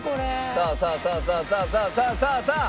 さあさあさあさあさあ！